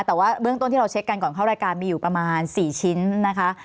แต่ว่าเบื้องต้นที่เราเช็คกันก่อนเข้ารายการมีอยู่ประมาณ๔ชิ้นนะคะ